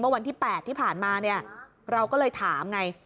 วันที่๘ที่ผ่านมาเนี่ยเราก็เลยถามไง